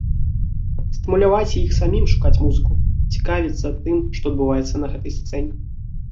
Стымуляваць іх самім шукаць музыку, цікавіцца тым, што адбываецца на гэтай сцэне.